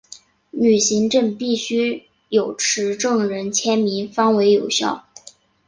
旅行证必须有持证人签名方为有效。